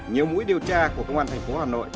nhiều mũi điều tra của công an thành phố hà nội